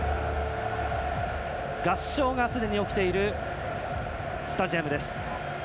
合唱がすでに起きているスタジアム。